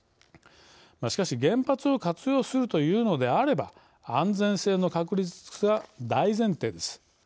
しかし、原発を活用するというのであれば安全性の確立が大前提です。